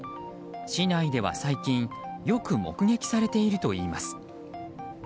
市内では最近よく目撃されているといいます。